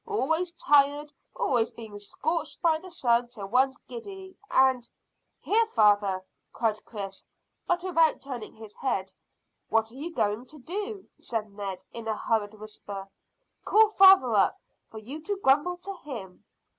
Always tired, always being scorched by the sun till one's giddy, and " "Here, father!" cried Chris, but without turning his head. "What are you going to do?" said Ned, in a hurried whisper. "Call father up, for you to grumble to him."